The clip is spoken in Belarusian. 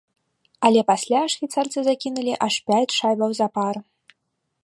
Але пасля швейцарцы закінулі аж пяць шайбаў запар.